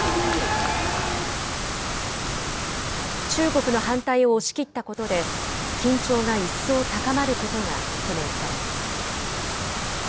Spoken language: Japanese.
中国の反対を押し切ったことで、緊張が一層高まることが懸念されます。